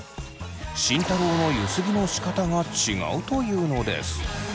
「慎太郎のゆすぎのしかたが違う！」というのです。